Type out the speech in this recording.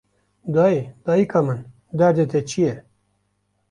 Dayê, dayika min, derdê te çi ye